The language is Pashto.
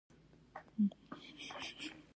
پیاله د عشقونو کیسې لري.